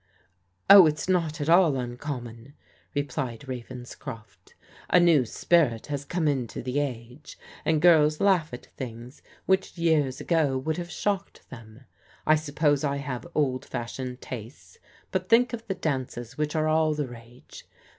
" Oh, it's not at all uncommon," replied Ravenscroft. " A new spirit has come into the age, and girls laugh at things, which years ago would have shocked them. I suppose I have old fashioned tastes, but think of the dances which are all the rage.